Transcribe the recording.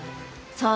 そう。